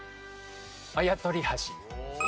あやとりはし。